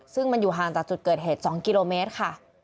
ซึ่งมันอยู่ห่างจากจุดเกิดเหตุ๒กิโลเมตรค่ะ